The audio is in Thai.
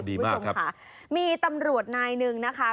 อ๋อดีมากครับคุณผู้ชมค่ะมีตำรวจนายหนึ่งนะคะ